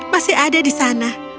masih ada di sana